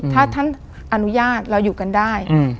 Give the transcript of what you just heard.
ถ้าท่านอนุญาตเราอยู่กันได้